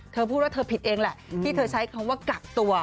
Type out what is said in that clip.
เธอพูดว่าเธอผิดเองแหละที่เธอใช้คำว่ากักตัว